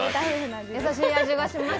優しい味がします。